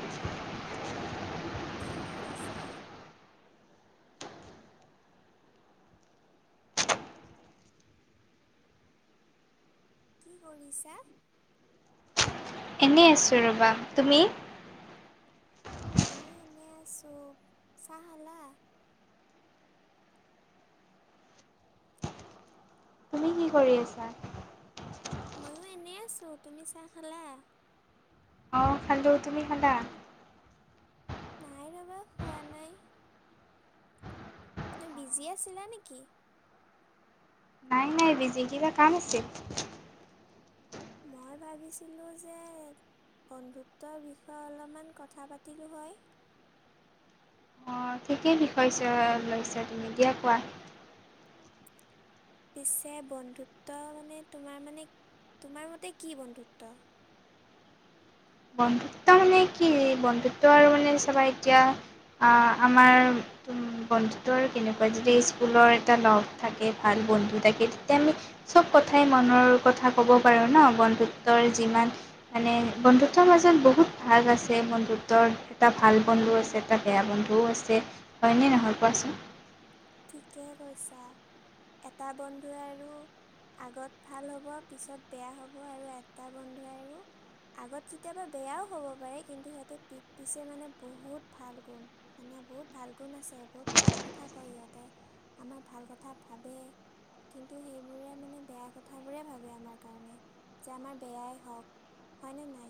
[inaudible] কি কৰিছা? কি কৰিছা? এনেই আছোঁ ৰ'বা! তুমি? মইয়ো এনে আছোঁ। চাহ খালা? তুমি কি কৰি আছা? মইয়ো এনেই আছো। তুমি চাহ খালা? অঁ খালো। তুমি খালা? নাই ৰ'বা! খোৱা নাই। তুমি বিজি আছিলা নেকি? নাই বিজি, কিবা কাম আছে? মই ভাবিছিলো যে বন্ধুত্বৰ বিষয়ে অলমান কথা পাতিলোঁ হয়। ঠিকেই বিষয় লৈছা তুমি, দিয়া কোৱা। পিছে বন্ধুত্ব মানে, তোমাৰ মানে তোমাৰ মতে কি বন্ধুত্ব? বন্ধুত্ব মানে কি বন্ধুত্ব আৰু মানে চাবা এতিয়া আ আমাৰ [inaudible] বন্ধুতৰ কেনেকুৱা যেতিয়া স্কুলৰ এটা লগ থাকে, ভাল বন্ধু থাকে। তেতিয়া আমি চব কথাই, মনৰ কথা ক'ব পাৰোঁ ন! বন্ধুত্বৰ যিমান মানে বন্ধুত্ব বন্ধুত্ব মাজত বহুত ভাগ আছে। সেই বন্ধুত্বৰ এটা ভাল বন্ধু আছে, এটা বেয়া বন্ধুও আছে, হয়নে নহয় কোৱাচোন! ঠিকে কৈছা। এটা বন্ধুৱে আৰু আগত ভাল হ'ব, পিছত বেয়া হ'ব, আৰু এটা বন্ধুৱে আৰু আগত কেতিয়াবা বেয়াও হ'ব পাৰে, কিন্তু সিহঁতৰ পিট পিছে মানে বহুত ভাল গুণ মানে বহুত ভাল গুণ আছে, বহুত ভাল কথা কয় ইহঁত তে। আমাৰ ভাল কথা ভাবে কিন্তু সেইবোৰে মানে বেয়া কথাবোৰে ভাবে আমাৰ কাৰণে, যে আমাৰ বেয়াই হওঁক। হয়নে নাই!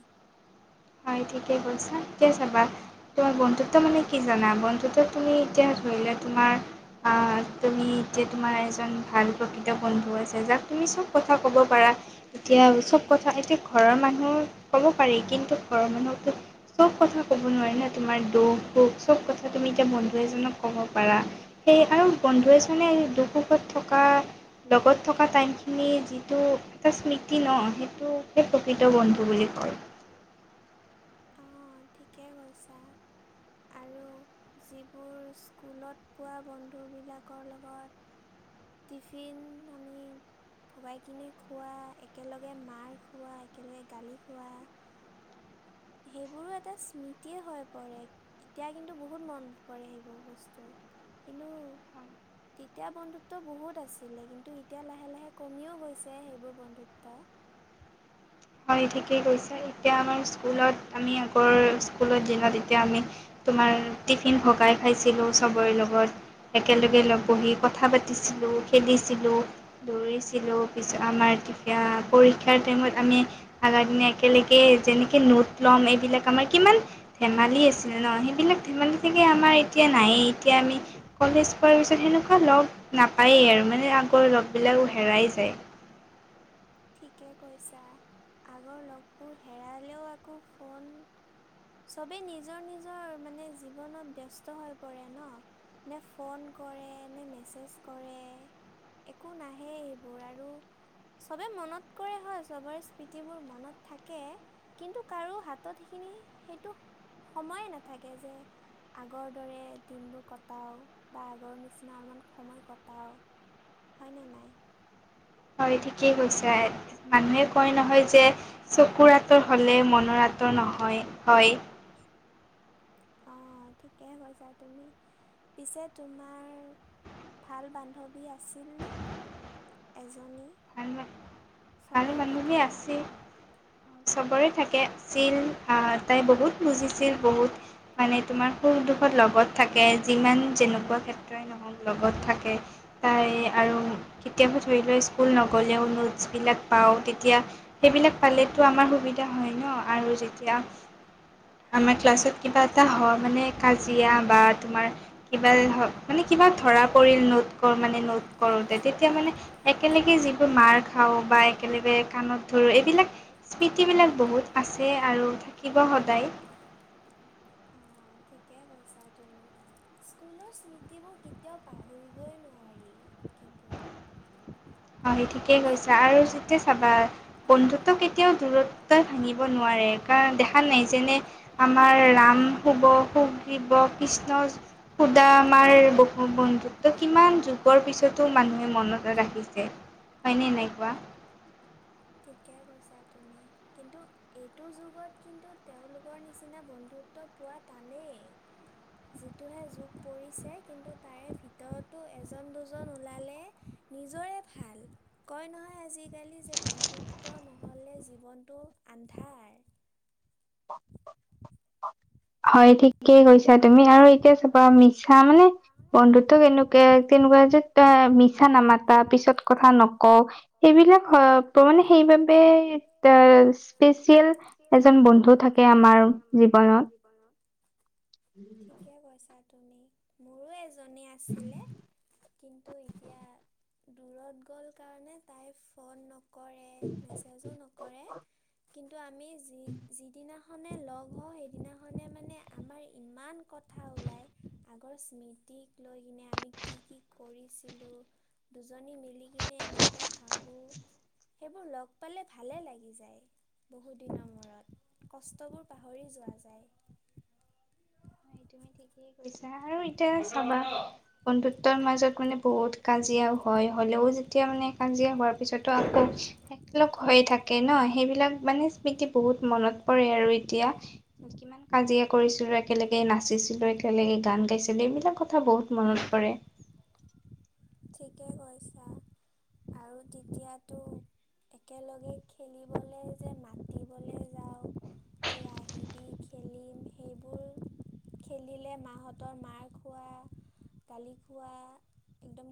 হয়, ঠিকে কৈছা। এতিয়া চাবা, তোমাৰ বন্ধুত্ব মানে কি জানা, বন্ধুত্ব তুমি এতিয়া ধৰি লোৱা তোমাৰ অ, তুমি এতিয়া তোমাৰ এজন ভাল প্ৰকৃত বন্ধু আছে, যাক তুমি চব কথা ক'ব পাৰা, এতিয়া চব কথা, এতিয়া ঘৰৰ মানুহ ক'ব পাৰি কিন্তু ঘৰৰ মানুহকটো চব কথা ক'ব নোৱাৰি ন, তোমাৰ দুখ-সুখ চব কথা তুমি এতিয়া বন্ধু এজনক ক'ব পাৰা। সেই আৰু বন্ধু এজনে দুখ-সুখত থকা লগত থকা টাইমখিনি যিটো এটা স্মৃতি ন, সেইটো সেই প্ৰকৃত বন্ধু বুলি কয়। অ, ঠিকে কৈছা, আৰু যিবোৰ স্কুলত পোৱা বন্ধুবিলাকৰ লগত টিফিন আমি ভগাই কিনে খোৱা, একেলগে মাৰ খোৱা, একেলগে গালি খোৱা সেইবোৰো এটা স্মৃতিয়ে হৈ পৰে। এতিয়া কিন্তু বহুত মনত পৰে সেইবোৰ বস্তু। কিন্তু তেতিয়া বন্ধুত্ব বহুত আছিলে, কিন্তু এতিয়া লাহে-লাহে কমিও গৈছে, সেইবোৰ বন্ধুত্ব। হয়, ঠিকেই কৈছে। এতিয়া আমাৰ স্কুলত আমি আগৰ স্কুলৰ দিনত এতিয়া আমি তোমাৰ টিফিন ভগাই খাইছিলো চবৰে লগত, একেলগে লগ বহি কথা পাতিছিলো, খেলি ছিলোঁ, দৌৰিছিলোঁ, পিছত আমাৰ তেতিয়া পৰীক্ষাৰ টাইমত আমি আগাৰ দিনত একেলগে, যেনেকে নোট লম, এইবিলাক আমাৰ কিমান ধেমালি আছিলে ন, সেইবিলাক ধেমালি চাগে আমাৰ এতিয়া নায়েই, এতিয়া আমি কলেজ পোৱাৰ পিছত সেনেকুৱা লগ নাপায়েই আৰু মানে আগৰ লগ বিলাকো হেৰাই যায়। [inaudible] ঠিকে কৈছা। আগৰ লগবোৰ হেৰালেও আকৌ ফোন চবে নিজৰ- নিজৰ মানে জীৱনত ব্যস্ত স্ত হৈ পৰে ন, নে ফোন কৰে, নে মেছেজ কৰে একো নাহে এইবোৰ, আৰু চবে মনত কৰে হয়, চবৰে স্মৃতিবোৰ মনত থাকে কিন্তু কাৰো হাতত সেইখিনি সেইটো সময়ে নাথাকে যে আগৰ দৰে দিনবোৰ কটাওঁ বা আগৰ নিচিনা অকমান সময় কটাওঁ। হয়নে নাই! হয়, ঠিকেই কৈছা। মানুহে কয় নহয় যে চকুৰ আঁতৰ হ'লে, মনৰ আঁতৰ নহয়, হয়। হয় অঁ ঠিকে কৈছা তুমি পিছে তোমাৰ ভাল বান্ধৱী আছিল নে এজনী চবৰে থাক এ আছিল চবৰে থাকে আছিল তাই বহুত বুজি ছিল বহুত মানে তোমাৰ সুখ-দুখত লগত থাকে যিমান যেনেকুৱা ক্ষেত্ৰত যেনেকুৱা নহওক লগত থাকে তাই আৰু কেতিয়াবা ধৰি লওক স্কুল নগ'লেও নোটছবিলাক পাওঁ তিয়া সেইবিলাক পালেতো আমাৰ সুবিধা হয় ন আৰু যেতিয়া আমাৰ ক্লাছত কিবা এটা হয় মানে কাজিয়া বা তোমাৰ কিবা হ মানে কিবা ধৰা পৰিল নোট কৰ মানে নোট কৰোতে তেতিয়া মানে একেলগে যিবোৰ মাৰ্ক খাওঁ বা একেলগে কাণত ধৰোঁ এইবিলাক স্মৃতিবিলাক বহুত আছে আৰু থাকিব সদায় সদায় অ ঠিকে কৈছা তুমি স্কুলৰ স্মৃতিবোৰ কেতিয়াও পাহৰিবই নোৱাৰি কিন্তু হয় ঠিকেই কৈছা আৰু যেতিয়া চাবা বন্ধুত্ব কেতিয়াও দূৰত্বই ভাঙিব নোৱাৰে কাৰণ দেখা নাই যেনে আমাৰ ৰাম শুৱ সুখ দিব কৃষ্ণ যশোদা আমাৰ বক্ষ্ম বন্ধুত্ব কিমান যুগৰ পিছতো মানুহে মনত ৰাখি ছে হয় নে নাই কোৱা ঠিকে কৈছা তুমি কিন্তু এইটো যুগত কিন্তু তেওঁলোকৰ নিচিনা বন্ধুত্ব পোৱা টানেই যিটোহে যোগ পৰিছে কিন্তু তাৰে ভিতৰতো এজন দুজন ওলালে নিজৰে ভাল কয় নহয় আজিকালি যে বন্ধু ত্ব নহ'লে জীৱনটো আন্ধাৰ হয় ঠিকেই কৈছা তুমি আৰু এতিয়া চাবা মিছা মানে বন্ধুত্ব কেনেকুৱা কেনেকুৱা যে মিছা নামাতা পিছত কথা নকওঁ সেইবিলাক মানে সেইবাবে এটা স্পেচিয়েল এজন বন্ধু থাকে আমাৰ জীৱনত হয় হয় ঠিকে কৈছা তুমি মোৰো এজনী আছিলে কিন্তু এতিয়া দূৰত গ'ল কাৰণে তাই ফোন নকৰে মেছে ছো নকৰে কিন্তু আমি যি যিদিনা খনে লগ হওঁ সেইদিনাখনে মানে আমাৰ ইমান কথা ওলায় আগৰ স্মৃতিক লৈ কিনে আমি কি কি কৰিছিলো দুজনী মিলি কিনে এনেকুৱা হাহো সেইবোৰ লগ পালে ভালে লাগি যায় বহুদিনৰ মূৰত কষ্টবোৰ পাহৰি যোৱা যায় তুমি ঠিকেই কৈছা আৰু এতিয়া চাবা বন্ধুত্বৰ মাজত মানে বহুত কাজিয়াও হয় হ'লেও তেতিয়া মানে কাজিয়া হোৱাৰ পিছতো আকৌ একেলগ হৈ থাকে ন সেইবিলাক মানে স্মৃতি বহুত মনত পৰে আৰু এতিয়া কিমান কাজিয়া কৰিছিলো একেলগে নাচিছিলো, একেলগে গান গাইছিলো এইবিলাক কথা বহুত মনত পৰে ঠিকে কৈছা আৰু তেতিয়াতো একেলগে খেলিবলৈ যে মাতিবলৈ যাওঁ। কে আহিবি খেলিম সেইবোৰ। খেলিলে মাহঁতৰ মাৰ খোৱা গালি খোৱা একদম